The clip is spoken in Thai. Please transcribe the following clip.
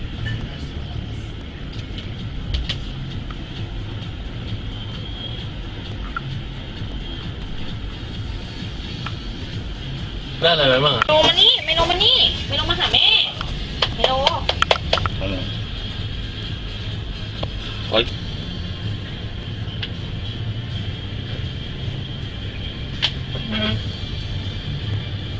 ได้อะไรไหมม่า